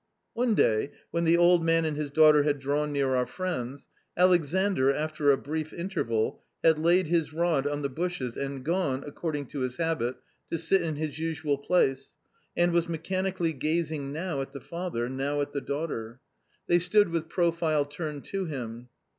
One day when the old man and his daughter had drawn near our friends, Alexandr, after a brief interval, had laid his rod on the bushes and gone, according to his habit, to sit in his usual place, and was mechanically gazing now at the father, now at the daughter. They stood with profile turned to him.